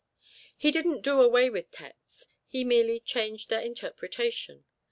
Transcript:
He didn't do away with texts, he merely changed their interpretation.